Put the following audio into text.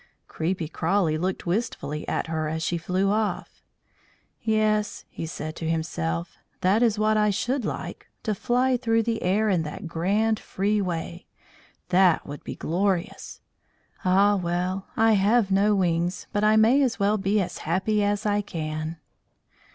Creepy Crawly looked wistfully at her as she flew off. "Yes," he said to himself, "that is what I should like to fly through the air in that grand, free way. That would be glorious! Ah, well! I have no wings, but I may as well be as happy as I can."